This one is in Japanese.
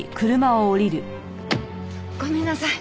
ごめんなさい。